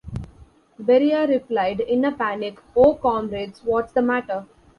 Beria replied, in a panic, Oh Comrades, what's the matter?